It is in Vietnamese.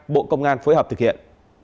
bộ công an phối hợp thực hiện